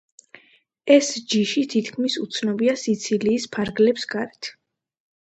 ეს ჯიში თითქმის უცნობია სიცილიის ფარგლებს გარეთ.